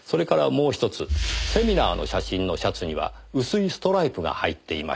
セミナーの写真のシャツには薄いストライプが入っていました。